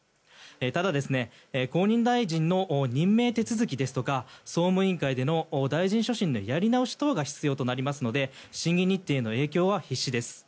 ただ、後任大臣の任命手続きですとか総務委員会での大臣所信のやり直し等が必要になりますので審議日程の影響は必至です。